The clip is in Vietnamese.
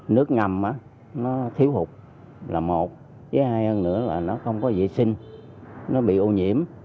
nước ngầm nó thiếu hụt là một với hai hơn nữa là nó không có vệ sinh nó bị ô nhiễm